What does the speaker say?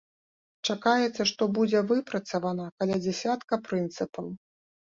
Чакаецца, што будзе выпрацавана каля дзясятка прынцыпаў.